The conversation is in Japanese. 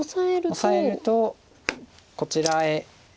オサえるとこちらへ。